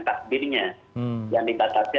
takbirnya yang dibatasi